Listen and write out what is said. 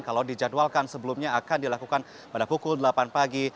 kalau dijadwalkan sebelumnya akan dilakukan pada pukul delapan pagi